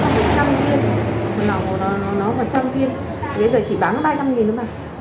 một lọ thì một lọ nó có một trăm linh viên một lọ nó có một trăm linh viên bây giờ chỉ bán ba trăm linh nghìn thôi mà